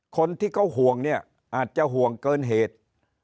คนที่เขาห่วงเนี่ยอาจจะห่วงเกินเหตุ